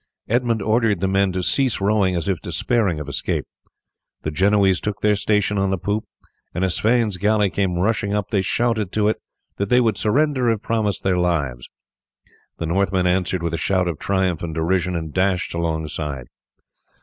Edmund ordered the men to cease rowing, as if despairing of escape. The Genoese took their station on the poop, and as Sweyn's galley came rushing up they shouted to it that they would surrender if promised their lives. The Northmen answered with a shout of triumph and derision, and dashed alongside.